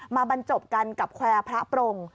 บรรจบกันกับแควร์พระปรง